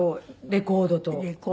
レコードと。